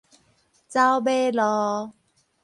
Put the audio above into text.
走馬路